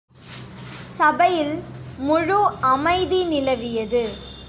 சபையில் முழு அமைதி நிலவியது.